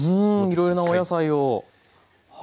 いろいろなお野菜をはい。